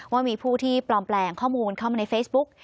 ว่ามีผู้ที่ปลอมแปลงข้อมูลเข้ามาในเฟซบุ๊ก